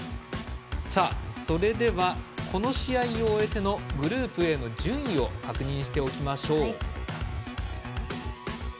それでは、この試合を終えてのグループＡの順位を確認しておきましょう。